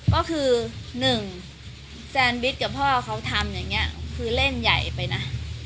ก็คือหนึ่งแซนบิ๊กกับพ่อเขาทำอย่างนี้คือเล่นใหญ่ไปนะ